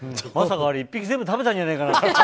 まさかあれ、１匹全部食べたんじゃないかなって。